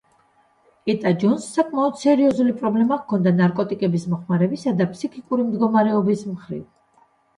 ეტა ჯონს საკმაოდ სერიოზული პრობლემა ჰქონდა ნარკოტიკების მოხმარებისა და ფსიქიკური მდგომარეობის მხრივ.